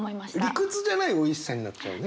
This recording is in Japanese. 理屈じゃないおいしさになっちゃうね。